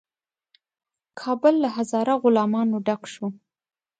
کابل له هزاره غلامانو ډک شو.